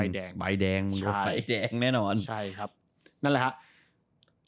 ก็เหมือนที่โซเลสคนโดนแบบว่าไปแดง